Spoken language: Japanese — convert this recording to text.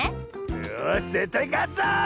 よしぜったいかつぞ！